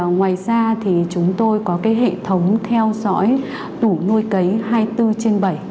ngoài ra chúng tôi có hệ thống theo dõi tủ nuôi cấy hai mươi bốn trên bảy